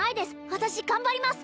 私頑張ります！